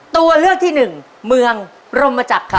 ตัวเลือกที่หนึ่งเมืองรมจักรค่ะ